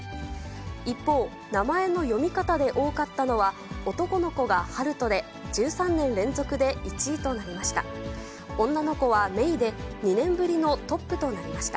一方、名前の読み方で多かったのは、男の子がはるとで１３年連続で１位となりました。